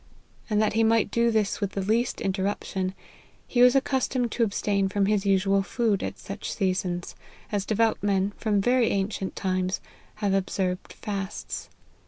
And that he might do this with the least interruption, he was accus tomed to abstain from his usual food at such seasons ; as devout men, from very ancient times, have ob served fasts.